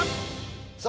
さあ